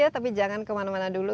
tapi jangan kemana mana dulu